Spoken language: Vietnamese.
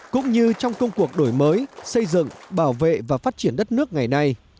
cũng như trong công cuộc đổi mới xây dựng bảo vệ và phát triển đất nước ngày nay